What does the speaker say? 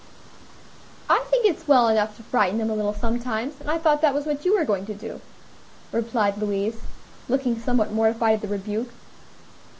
"I think it is well enough to frighten them a little sometimes, and I thought that was what you were going to do," replied Louise, looking somewhat mortified at the rebuke.